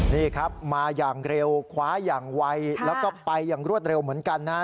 นี่ครับมาอย่างเร็วคว้าอย่างไวแล้วก็ไปอย่างรวดเร็วเหมือนกันนะฮะ